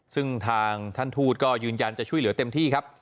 ซึ่งทางท่านทูตก็ยืนยันจะช่วยเหลือเต็มที่ครับ